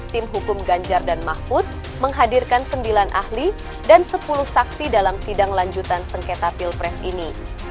tim hukum ganjar dan mahfud menghadirkan sembilan ahli dan sepuluh saksi dalam sidang lanjutan sengketa pilpres ini